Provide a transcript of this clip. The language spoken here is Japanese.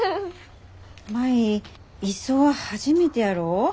舞磯は初めてやろ。